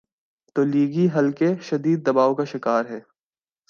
تولیگی حلقے شدید دباؤ کا شکارہیں۔